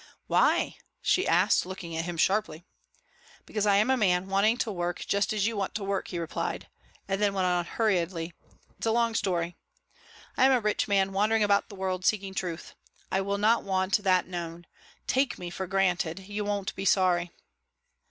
"Why?" she asked, looking at him sharply. "Because I am a man wanting work just as you want work," he replied, and then went on hurriedly, "It is a long story. I am a rich man wandering about the world seeking Truth. I will not want that known. Take me for granted. You won't be sorry."